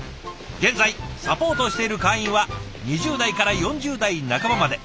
現在サポートしている会員は２０代から４０代半ばまで。